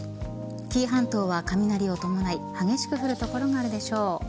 紀伊半島は雷を伴い激しく降る所があるでしょう。